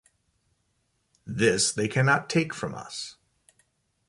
This they cannot take from us.